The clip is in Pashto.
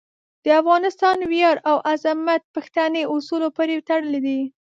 د افغانستان ویاړ او عظمت پښتني اصولو پورې تړلی دی.